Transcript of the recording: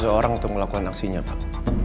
seorang untuk melakukan aksinya pak